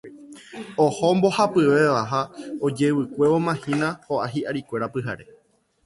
Oho mbohapyvéva ha ojevykuevomahína ho'a hi'arikuéra pyhare.